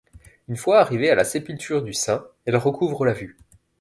Une fois arrivée à la sépulture du saint, elle recouvre la vue.